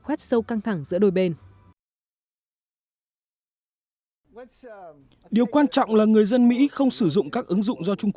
khoét sâu căng thẳng giữa đôi bên điều quan trọng là người dân mỹ không sử dụng các ứng dụng do